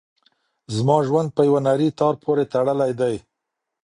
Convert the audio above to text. زما ژوند په یوه نري تار پورې تړلی دی.